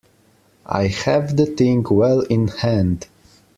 I have the thing well in hand.